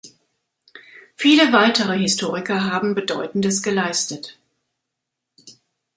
Viele weitere Historiker haben Bedeutendes geleistet.